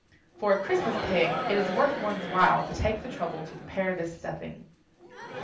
For a Christmas pig, it is worth one's while to take the trouble to prepare this stuffing.